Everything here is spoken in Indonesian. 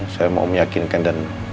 saya mau meyakinkan dan